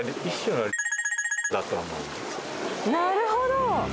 なるほど！